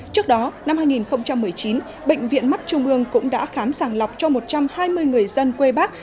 trước đó năm hai nghìn một mươi chín bệnh viện mắt trung ương cũng đã khám sàng lọc cho một trăm hai mươi người dân quê bác